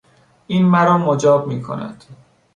این مرا مجاب میکند.